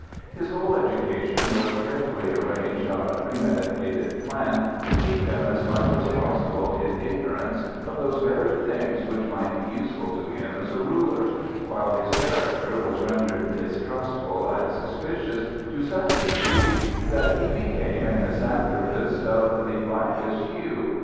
His whole education was carefully arranged on a premeditated plan to keep him as much as possible in ignorance of those very things which might be useful to him as a ruler, while his character was rendered distrustful and suspicious to such a degree that he became a misanthropist of the blackest hue.